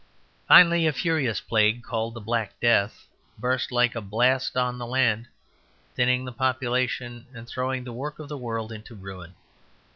Finally, a furious plague, called the Black Death, burst like a blast on the land, thinning the population and throwing the work of the world into ruin.